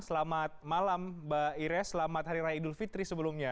selamat malam mbak ires selamat hari raya idul fitri sebelumnya